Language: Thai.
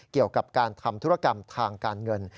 เกี่ยวกับการทำธุรกรรมทางการเงิน